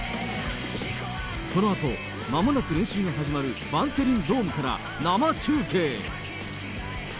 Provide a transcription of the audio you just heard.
このあと、まもなく練習が始まるバンテリンドームから生中継。